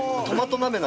トマト鍋。